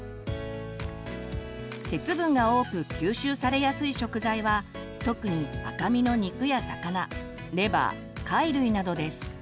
鉄分が多く吸収されやすい食材は特に赤身の肉や魚レバー貝類などです。